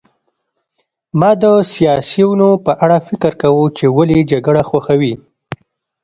ما د سیاسیونو په اړه فکر کاوه چې ولې جګړه خوښوي